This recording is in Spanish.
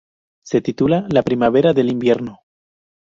Se titula 'La primavera del invierno'.